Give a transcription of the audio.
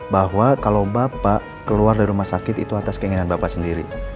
bahwa kalau bapak keluar dari rumah sakit itu atas keinginan bapak sendiri